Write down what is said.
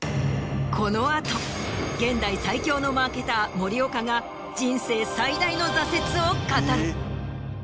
この後現代最強のマーケター森岡が人生最大の挫折を語る。